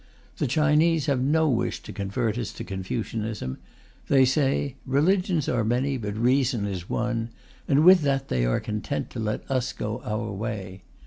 The Chinese have no wish to convert us to Confucianism; they say "religions are many, but reason is one," and with that they are content to let us go our way.